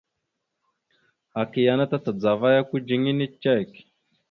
Aka yana ta tadzava kudziŋine cek.